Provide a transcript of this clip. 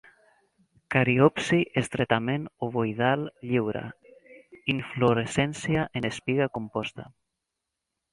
Cariopsi estretament ovoidal, lliure. Inflorescència en espiga composta.